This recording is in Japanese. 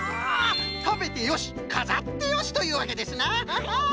たべてよしかざってよしというわけですなアハハ！